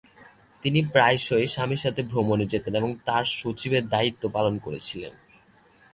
তিনি প্রায়শই স্বামীর সাথে ভ্রমণে যেতেন এবং তাঁর সচিবের দায়িত্বও পালন করেছিলেন।